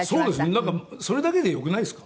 なんかそれだけでよくないですか？